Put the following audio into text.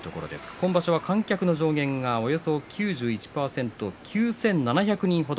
今場所は観客の上限がおよそ９１％、９７００人程。